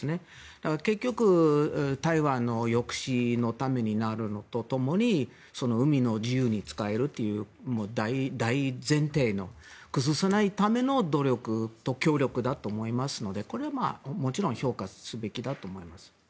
だから、結局台湾の抑止のためになるのとともに海の自由に使えるという大前提を崩さないための努力と協力だと思いますのでこれはまあ、もちろん評価すべきだと思います。